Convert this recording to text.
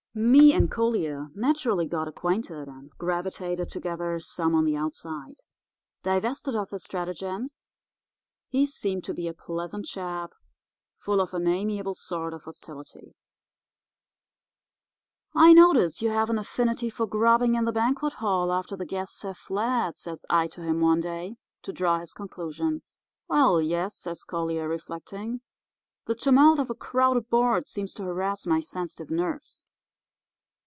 "Me and Collier naturally got acquainted, and gravitated together some on the outside. Divested of his stratagems, he seemed to be a pleasant chap, full of an amiable sort of hostility. "'I notice you have an affinity for grubbing in the banquet hall after the guests have fled,' says I to him one day, to draw his conclusions. "'Well, yes,' says Collier, reflecting; 'the tumult of a crowded board seems to harass my sensitive nerves.